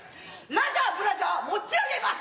ラジャーブラジャー持ち上げます。